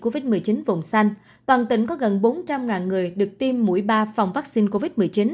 covid một mươi chín vùng xanh toàn tỉnh có gần bốn trăm linh người được tiêm mũi ba phòng vaccine covid một mươi chín